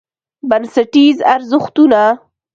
بنسټیز ارزښتونه: